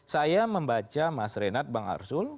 saya membaca mas renat bangarsul